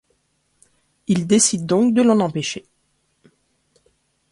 Il décide donc de l'en empêcher.